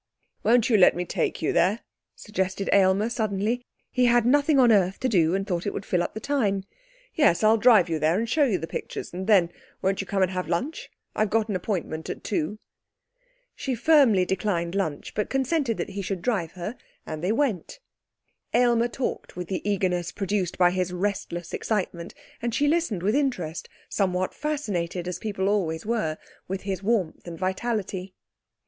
'Won't you let me take you there?' suggested Aylmer suddenly. He had nothing on earth to do, and thought it would fill up the time. 'Yes! I'll drive you there and show you the pictures. And then, wouldn't you come and have lunch? I've got an appointment at two.' She firmly declined lunch, but consented that he should drive her, and they went. Aylmer talked with the eagerness produced by his restless excitement and she listened with interest, somewhat fascinated, as people always were, with his warmth and vitality.